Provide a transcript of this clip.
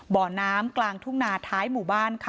บ่อน้ำกลางทุ่งนาท้ายหมู่บ้านค่ะ